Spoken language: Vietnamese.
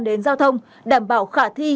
đến giao thông đảm bảo khả thi